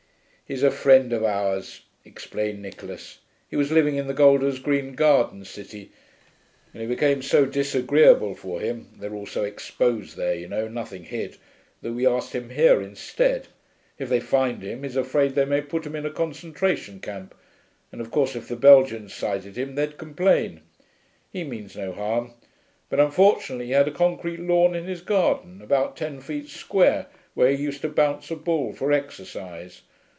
'He's a friend of ours,' explained Nicholas. 'He was living in the Golders Green Garden City, and it became so disagreeable for him (they're all so exposed there, you know nothing hid) that we asked him here instead. If they find him he's afraid they may put him in a concentration camp, and of course if the Belgians sighted him they'd complain. He means no harm, but unfortunately he had a concrete lawn in his garden, about ten feet square, where he used to bounce a ball for exercise.